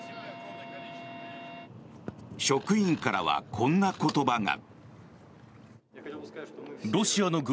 職員からはこんな言葉が。